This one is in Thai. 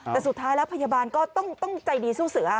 แต่สุดท้ายแล้วพยาบาลก็ต้องใจดีสู้เสือ